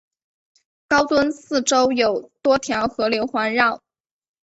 高墩四周有多条河流环绕。